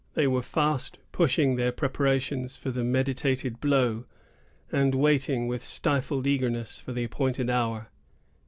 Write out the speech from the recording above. They were fast pushing their preparations for the meditated blow, and waiting with stifled eagerness for the appointed hour.